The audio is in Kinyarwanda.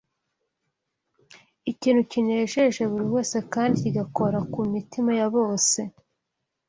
ikintu kinejeje buri wese kandi kigakora ku mitima ya bose